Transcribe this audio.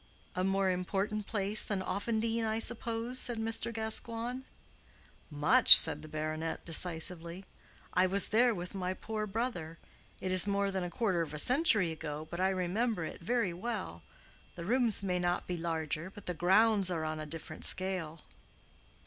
"A more important place than Offendene, I suppose?" said Mr. Gascoigne. "Much," said the baronet, decisively. "I was there with my poor brother—it is more than a quarter of a century ago, but I remember it very well. The rooms may not be larger, but the grounds are on a different scale."